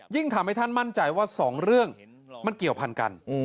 ทำให้ท่านมั่นใจว่า๒เรื่องมันเกี่ยวพันกัน